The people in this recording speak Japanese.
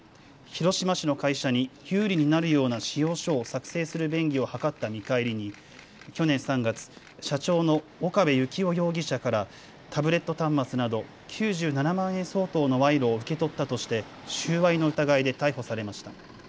広島市の会社に有利になるような仕様書を作成する便宜を図った見返りに去年３月、社長の岡部幸夫容疑者からタブレット端末など９７万円相当の賄賂を受け取ったとして収賄の疑いで逮捕されました。